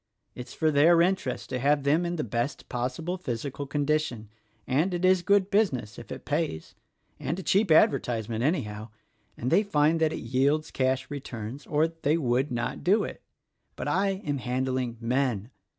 It's for their interest to have them in the best pos sible physical condition, and it is good business if it pays — and a cheap advertisement, anyhow: and they find that it yields cash returns or they would not do it. But I am handling men.